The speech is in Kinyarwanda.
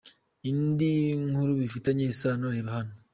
Indi nkuru bifitanye isano: Reba hano :